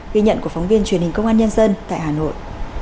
ghi nhận của phóng viên truyền hình công an nhân dân tại hà nội